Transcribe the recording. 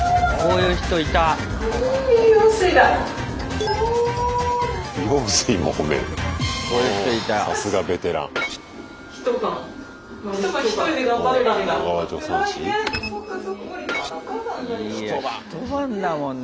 いや一晩だもんね。